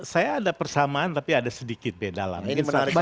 saya ada persamaan tapi ada sedikit beda lah